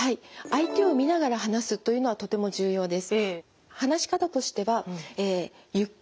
相手を見ながら話すというのはとても重要です。